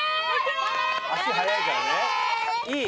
足速いからね。いい！